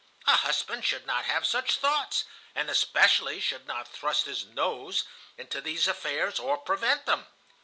A husband should not have such thoughts, and especially should not thrust his nose into these affairs, or prevent them.